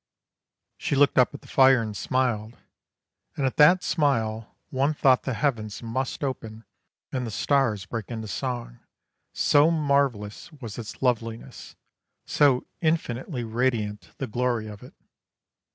She looked up at the fire and smiled, and at that smile one thought the heavens must open and the stars break into song, so marvellous was its loveliness, so infinitely radiant the glory of it.